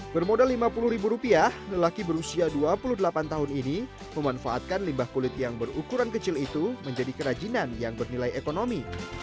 bermodal lima puluh ribu rupiah lelaki berusia dua puluh delapan tahun ini memanfaatkan limbah kulit yang berukuran kecil itu menjadi kerajinan yang bernilai ekonomi